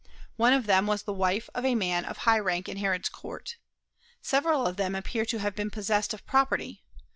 One of them was the wife of a man of high rank in Herod's court. Several of them appear to have been possessed of property.